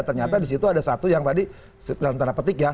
ternyata disitu ada satu yang tadi